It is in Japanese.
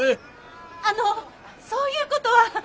あのそういうことは！ねえ？